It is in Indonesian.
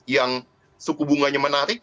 yang suku bunganya menarik